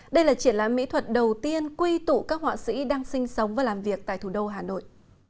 đây là triển lãm mỹ thuật đầu tiên quy tụ các họa sĩ đang sinh sống và làm việc tại thủ đô hà nội